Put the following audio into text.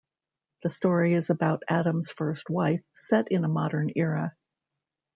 The story is about Adam's first wife, set in a modern era.